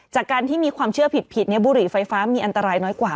จากการที่มีความเชื่อผิดบุหรี่ไฟฟ้ามีอันตรายน้อยกว่า